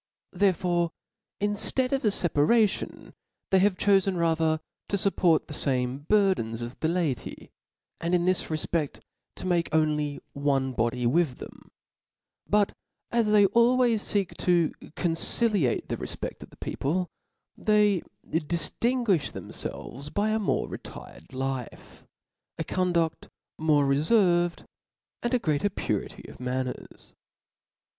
Therefore inftead of a fc paration, they have chofe rather to fupport the fame burthens as the laity, and in this refped to make only one body with them : but as they always feek to * conciliate the refpeft of the people, they diftinguifli thcmfelves by a more retired life, a conduft more referved, and a greater purity of manners.